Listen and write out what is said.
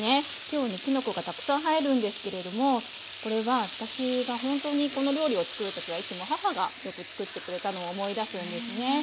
今日のきのこがたくさん入るんですけれどもこれは私がほんとにこの料理を作る時はいつも母がよく作ってくれたのを思い出すんですね。